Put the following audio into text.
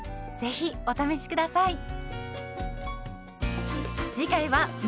ぜひお試し下さい。